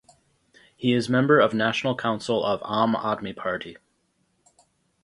He is member of National Council of Aam Aadmi Party.